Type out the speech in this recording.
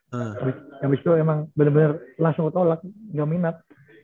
habis itu emang bener bener langsung ketolak gak minat